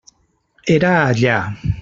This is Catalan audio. Era allà.